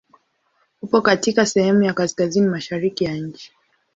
Upo katika sehemu ya kaskazini mashariki ya nchi.